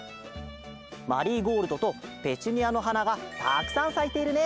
マリーゴールドとペチュニアのはながたくさんさいているね。